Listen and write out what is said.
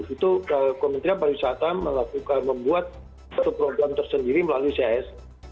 itu kementerian pariwisata melakukan membuat satu program tersendiri melalui cs